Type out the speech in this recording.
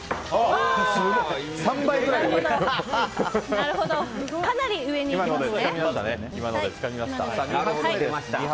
なるほどかなり上に行きますね。